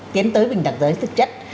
tiến tới bình đẳng giới thực chất